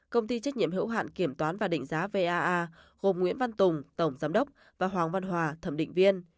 công ty trách nhiệm hữu hạn kiểm toán và định giá vaa gồm nguyễn văn tùng tổng giám đốc và hoàng văn hòa thẩm định viên